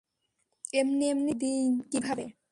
এমনি এমনি ছেড়ে দিই কীভাবে?